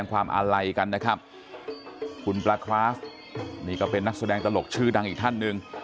ก็ดีนะถ้าเป็นลูกผม